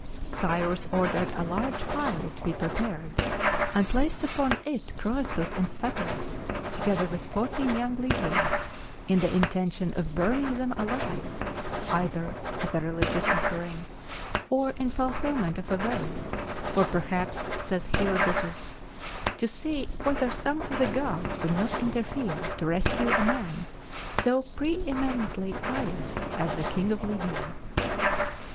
Cyrus ordered a large pile to be prepared, and placed upon it Croesus in fetters, together with fourteen young Lydians, in the intention of burning them alive either as a religious offering, or in fulfilment of a vow, "or perhaps (says Herodotus) to see whether some of the gods would not interfere to rescue a man so preëmiently pious as the king of Lydia."